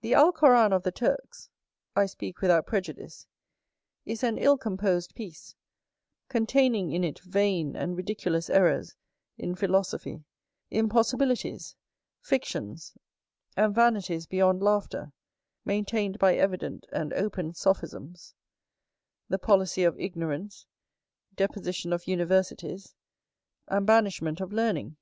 The Alcoran of the Turks (I speak without prejudice) is an ill composed piece, containing in it vain and ridiculous errors in philosophy, impossibilities, fictions, and vanities beyond laughter, maintained by evident and open sophisms, the policy of ignorance, deposition of universities, and banishment of learning.